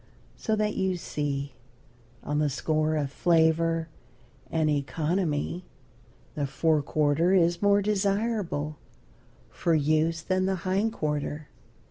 So that, you see, on the score of flavor and economy, the fore quarter is more desirable for use than the hind quarter.